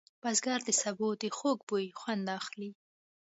بزګر د سبو د خوږ بوی خوند اخلي